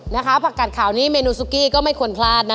นะคะผักกัดขาวนี้เมนูซุกี้ก็ไม่ควรพลาดนะ